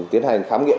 tiến hành khám nghiệm